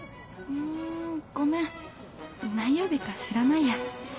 んごめん何曜日か知らないや。